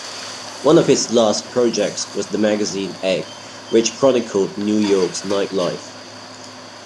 One of his last projects was the magazine "Egg", which chronicled New York's nightlife.